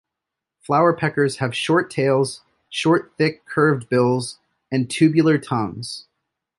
Flowerpeckers have short tails, short thick curved bills and tubular tongues.